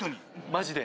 マジで。